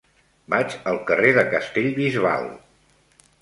Vaig al carrer de Castellbisbal.